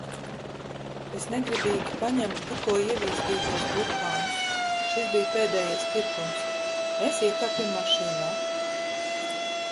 Es negribīgi paņemu tikko ievīstītos burkānus. Šis bija pēdējais pirkums. Mēs iekāpjam mašīnā.